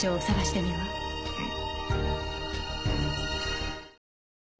うん。